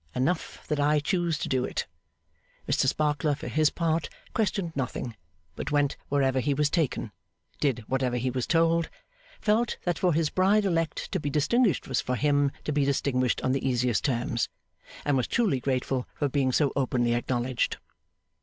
Enough that I choose to do it!' Mr Sparkler for his part, questioned nothing; but went wherever he was taken, did whatever he was told, felt that for his bride elect to be distinguished was for him to be distinguished on the easiest terms, and was truly grateful for being so openly acknowledged.